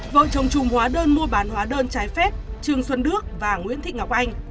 vợ chồng trùng hóa đơn mua bán hóa đơn trái phép trương xuân đức và nguyễn thị ngọc anh